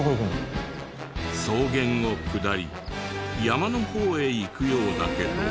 草原を下り山の方へ行くようだけど。